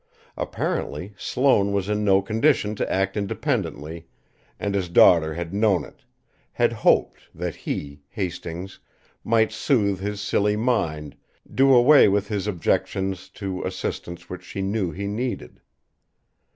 Apparently, Sloane was in no condition to act independently, and his daughter had known it, had hoped that he, Hastings, might soothe his silly mind, do away with his objections to assistance which she knew he needed.